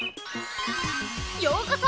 ようこそ！